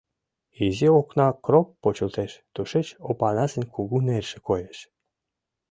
Изи окна кроп почылтеш, тушеч Опанасын кугу нерже коеш.